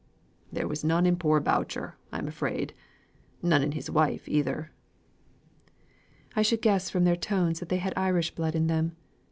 "There was none in poor Boucher, I am afraid; none in his wife either." "I should guess by their tones that they had Irish blood in them.